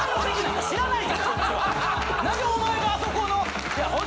なんでお前があそこの。